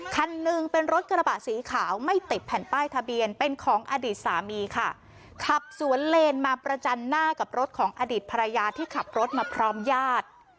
คันหนึ่งเป็นรถกระบะสีขาวไม่ติดแผ่นป้ายทะเบียนเป็นของอดีตสามีค่ะขับสวนเลนมาประจันหน้ากับรถของอดีตภรรยาที่ขับรถมาพร้อมญาติ